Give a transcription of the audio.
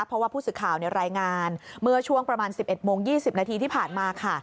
เพราะว่าผู้สื่อข่าวรายงานเมื่อช่วงประมาณ๑๑โมง๒๐นาทีที่ผ่านมาค่ะ